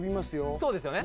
そうですよね